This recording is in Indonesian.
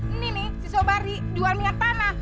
ini nih si sobari jual minyak tanah